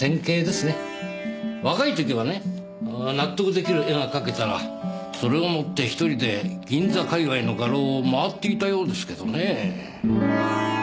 若いときはね納得できる絵が描けたらそれを持って一人で銀座界隈の画廊を回っていたようですけどね。